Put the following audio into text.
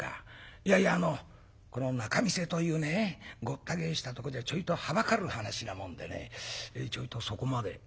いやいやあのこの仲見世というねごった返したとこじゃちょいとはばかる話なもんでねちょいとそこまで」。